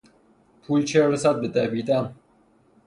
پول چه رسد به دویدن.